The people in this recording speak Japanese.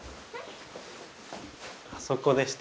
あそこでした。